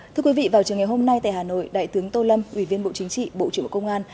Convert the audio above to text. thưa quý vị vào trường ngày hôm nay tại hà nội đại tướng tô lâm ủy viên bộ chính trị bộ trưởng bộ công an